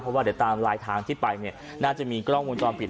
เพราะว่าเดี๋ยวตามลายทางที่ไปเนี่ยน่าจะมีกล้องวงจรปิด